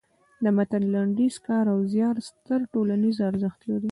د متن لنډیز کار او زیار ستر ټولنیز ارزښت لري.